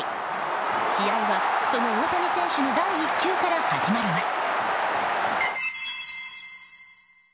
試合は、その大谷選手の第１球から始まります。